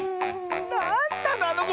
なんなのあのこ！